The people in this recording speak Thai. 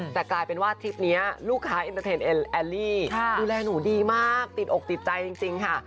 แต่กลายเป็นว่าทริปนี้ลูกค้าเอ็นเตอร์เทนแอลลี่ดูแลหนูดีมากติดอกติดใจจริงค่ะ